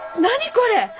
これ！